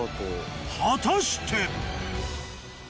果たして。